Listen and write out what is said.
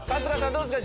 どうですか？